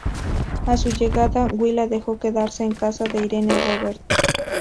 A su llegada Will la dejó quedarse en casa de Irene Roberts.